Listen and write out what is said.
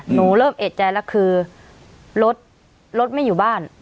หนูเริ่มเอกใจแล้วคือรถรถไม่อยู่บ้าน